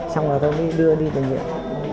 xong rồi tôi mới đưa đi tìm hiểu